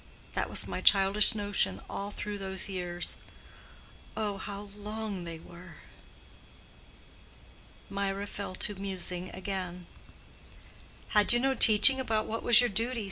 That was my childish notion all through those years. Oh how long they were!" Mirah fell to musing again. "Had you no teaching about what was your duty?"